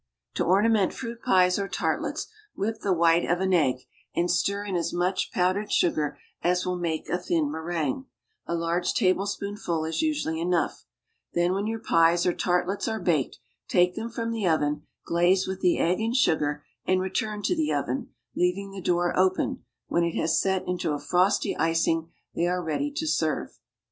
To ornament fruit pies or tartlets, whip the white of an egg, and stir in as much powdered sugar as will make a thin meringue a large tablespoonful is usually enough then when your pies or tartlets are baked, take them from the oven, glaze with the egg and sugar, and return to the oven, leaving the door open; when it has set into a frosty icing they are ready to serve.